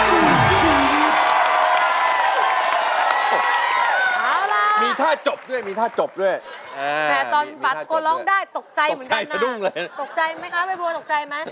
ตกใจไหมคะใบบัวตกใจไหม